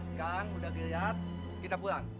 sekarang udah dilihat kita pulang